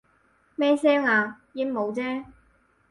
咩聲啊？鸚鵡啫